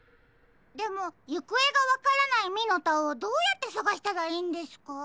でもゆくえがわからないミノタをどうやってさがしたらいいんですか？